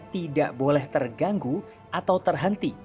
tidak boleh terganggu atau terhenti